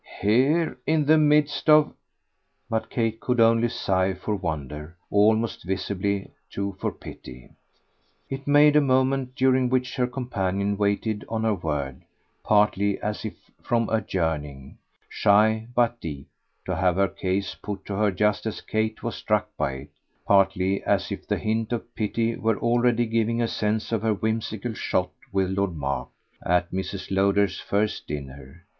"Here in the midst of !" But Kate could only sigh for wonder almost visibly too for pity. It made a moment during which her companion waited on her word; partly as if from a yearning, shy but deep, to have her case put to her just as Kate was struck by it; partly as if the hint of pity were already giving a sense to her whimsical "shot," with Lord Mark, at Mrs. Lowder's first dinner.